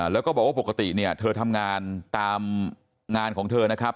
แล้วก็บอกว่าปกติเนี่ยเธอทำงานตามงานของเธอนะครับ